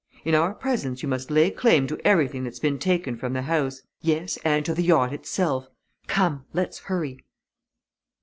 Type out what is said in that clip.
In our presence you must lay claim to everything that's been taken from the house yes, and to the yacht itself. Come, let's hurry!"